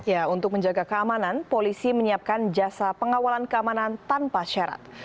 ya untuk menjaga keamanan polisi menyiapkan jasa pengawalan keamanan tanpa syarat